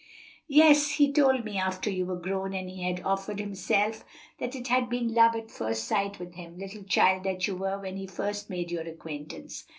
"Yes, he told me after you were grown and he had offered himself, that it had been love at first sight with him, little child that you were when he first made your acquaintance.